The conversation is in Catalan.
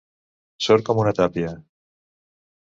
Sord com una tàpia.